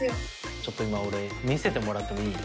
ちょっと今俺見せてもらってもいい？